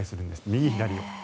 右左を。